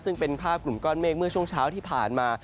ซึ่งเป็นภาพกลุ่มก้อนเมฆเมื่อช่วงเช้าที่ผ่านมา